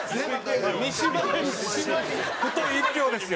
太い１票ですよ。